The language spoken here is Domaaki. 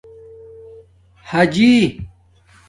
حآجِی